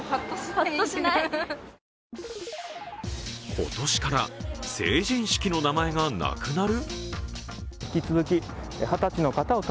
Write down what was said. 今年から成人式の名前がなくなる？